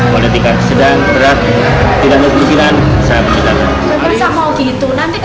politika sedang terhadap tidak mengusirkan saya beritahu